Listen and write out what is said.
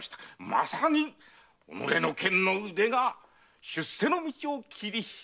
まさに己の剣の腕が出世の道を切り開いたわけでありますな。